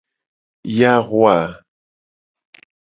Yi ahua.